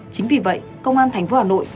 chính vì vậy công an thành phố hà nội